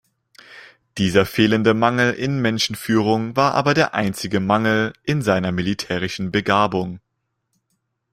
Dieser fehlende Mangel in Menschenführung war aber der einzige Mangel in seiner militärischen Begabung.